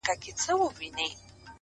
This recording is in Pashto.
• له قضا پر یوه کلي برابر سو ,